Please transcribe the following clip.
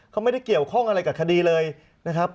เขาไม่ได้เกี่ยวข้องอะไรกับคดีเลยนะครับ